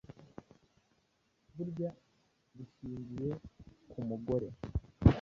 burya rishingiye ku mugore.